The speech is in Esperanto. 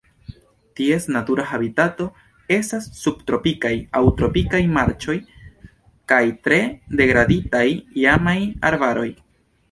Ties natura habitato estas subtropikaj aŭ tropikaj marĉoj kaj tre degraditaj iamaj arbaroj.